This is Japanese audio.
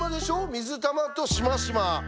水玉としましま。